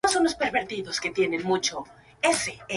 Por su interpretación ganó un premio Emmy.